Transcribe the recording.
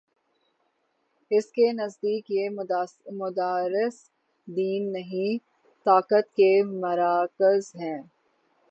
اس کے نزدیک یہ مدارس دین نہیں، طاقت کے مراکز ہیں۔